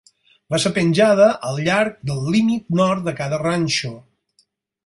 Va ser penjada al llarg del límit nord de cada ranxo.